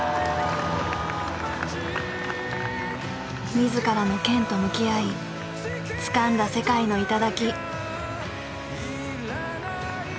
自らの剣と向き合いつかんだ世界の頂。